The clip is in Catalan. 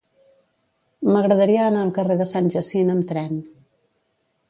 M'agradaria anar al carrer de Sant Jacint amb tren.